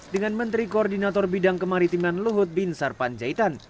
dengan menteri koordinator bidang kemaritiman luhut bin sarpanjaitan